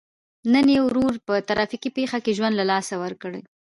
نن یې ورور په ترافیکي پېښه کې ژوند له لاسه ورکړی.